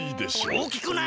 おおきくない？